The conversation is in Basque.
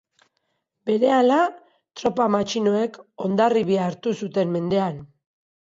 Berehala, tropa matxinoek Hondarribia hartu zuten mendean.